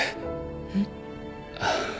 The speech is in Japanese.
えっ？